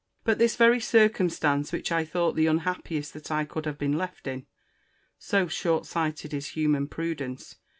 But this very circumstance, which I thought the unhappiest that I could have been left in, (so short sighted is human prudence!)